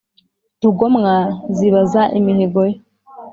Rugomwa zibaza imihigo ye